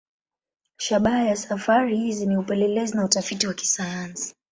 Shabaha ya safari hizi ni upelelezi na utafiti wa kisayansi.